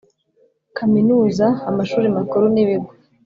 Kaminuza Amashuri makuru n Ibigo